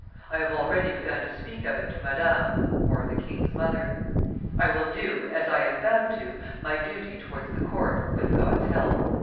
I have already begun to speak of it to Madame [the king's mother]. I will do, as I am bound to, my duty towards the court, with God's help."